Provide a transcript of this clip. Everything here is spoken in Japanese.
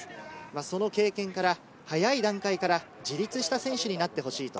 その経験から早い段階から自立した選手になってほしい。